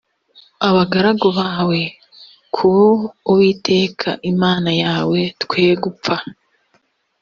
abagaragu bawe ku uwiteka imana yawe twe gupfa